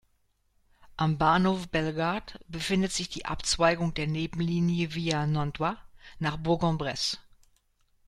Am Bahnhof Bellegarde befindet sich die Abzweigung der Nebenlinie via Nantua nach Bourg-en-Bresse.